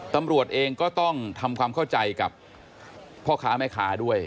ตำรวจเองก็ต้องทำความเข้าใจกับพ่อค้าแม่ค้าด้วย